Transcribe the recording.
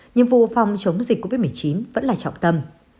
nhiệm vụ phòng chống dịch covid một mươi chín vẫn là trọng tâm